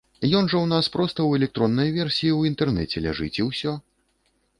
Ён жа ў нас проста ў электроннай версіі ў інтэрнэце ляжыць, і ўсё.